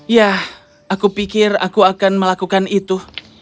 ya aku pikir aku akan melakukan itu